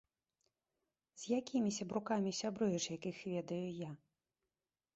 З якімі сябрукамі сябруеш, якіх ведаю я?